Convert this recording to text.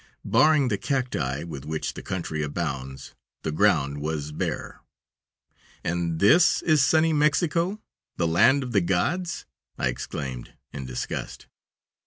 Barring the cacti, with which the country abounds, the ground was bare. "And this is sunny Mexico, the land of the gods!" I exclaimed, in disgust.